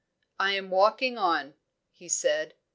"I am walking on," he said.